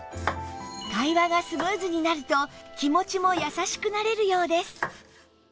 会話がスムーズになると気持ちも優しくなれるようです